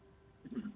ya kalau kami di dpr